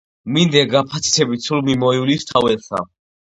მინდია გაფაციცებით სულ მიმოივლის მთა-ველსა.